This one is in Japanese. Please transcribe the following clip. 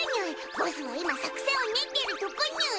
ボスは今作戦を練ってるとこにゅい！